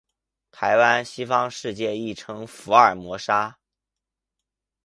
台湾，西方世界亦称福尔摩沙。